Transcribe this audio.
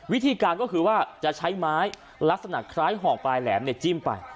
วิธีการก็คือว่าจะใช้ไม้ลักษณะคล้ายห่อปลายแหลมจิ้มไป